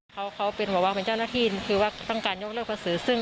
เขาเป็นหัววังเป็นเจ้าหน้าที่คือว่าต้องการยกเลิกภาษี